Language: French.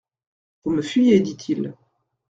Vous me fuyez, dit-il.